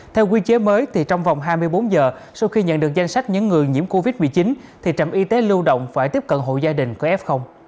theo quy chế mới thì trong vòng hai mươi bốn giờ sau khi nhận được danh sách những người nhiễm covid một mươi chín thì trạm y tế lưu động phải tiếp cận hộ gia đình có f